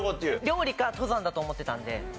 料理か登山だと思ってたので。